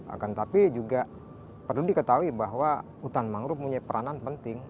akan tetapi juga perlu diketahui bahwa hutan mangrove punya peranan penting